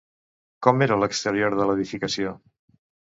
Com era l'exterior de l'edificació?